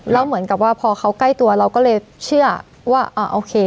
แล้วเหมือนกับว่าพอเขาใกล้ตัวเราก็เลยเชื่อว่าอ่าโอเค